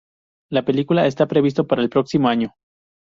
La película está previsto para el próximo año.